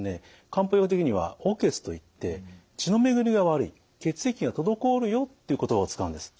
漢方医学的には血といって血の巡りが悪い血液が滞るよっていう言葉を使うんです。